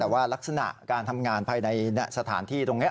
แต่ว่ารักษณะการทำงานภายในสถานที่ตรงนี้